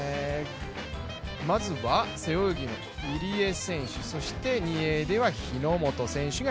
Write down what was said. まずは背泳ぎの入江選手そして２泳では日本選手。